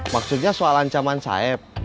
maksudnya soal ancaman sayap